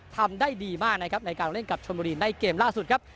ทำได้ดีมากนะครับในการเล่นกับชนบุรีในเกมล่าสุดครับ